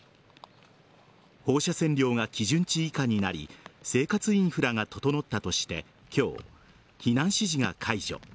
放射線量が基準値以下になり生活インフラが整ったとして今日、避難指示が解除。